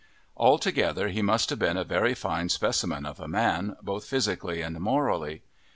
Altogether he must have been a very fine specimen of a man, both physically and morally.